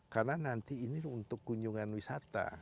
karena nanti ini untuk kunjungan wisata